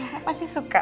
mama pasti suka